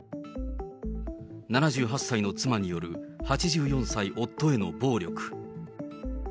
７８歳の妻による８４歳夫への暴力。